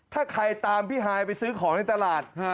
ถ้าใครตามพี่ฮายไปซื้อของในตลาด